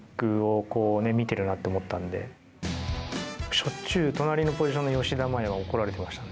しょっちゅう隣のポジションの吉田麻也は怒られていましたね。